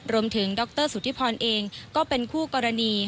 ดรสุธิพรเองก็เป็นคู่กรณี